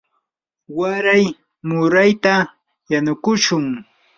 waray murayta yanukushun.